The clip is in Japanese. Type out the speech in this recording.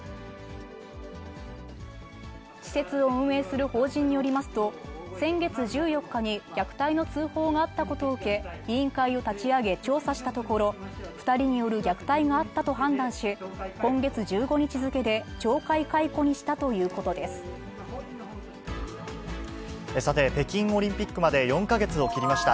施設を運営する法人によりますと、先月１４日に虐待の通報があったことを受け、委員会を立ち上げ調査したところ、２人による虐待があったと判断し、今月１５日付で懲戒解雇にしたとさて、北京オリンピックまで４か月を切りました。